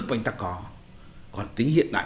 anh ta có còn tính hiện đại